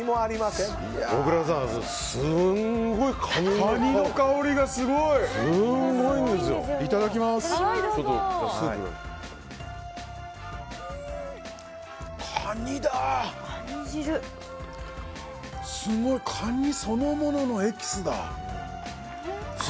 すごい、カニそのもののエキスだ。